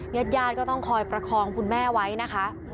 ญาติญาติก็ต้องคอยประคองคุณแม่ไว้นะคะ